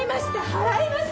払いますよ！